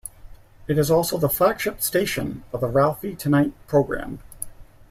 It is also the flagship station of the "Ralphie Tonight" program.